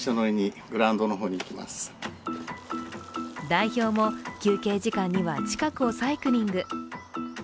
代表も休憩時間には近くをサイクリング。